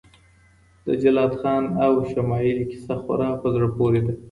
د جلات خان او شمایلې کیسه خورا په زړه پورې ده.